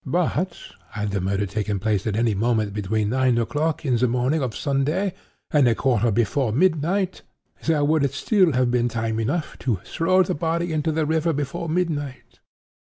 But, had the murder taken place at any moment between nine o'clock in the morning of Sunday, and a quarter before midnight, there would still have been time enough 'to throw the body into the river before midnight.